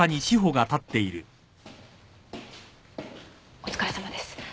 お疲れさまです。